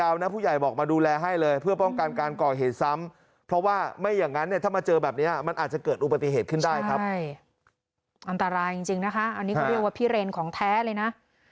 อันตรายจริงนะคะอันนี้เขาเรียกว่าพิเรนของแท้เลยนะ